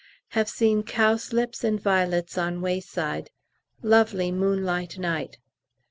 Have seen cowslips and violets on wayside. Lovely moonlight night.